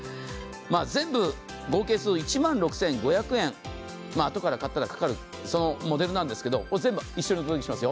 全部合計すると１万６５００円、あとからかったらかかるそのモデルなんですけど、全部一緒にしますよ。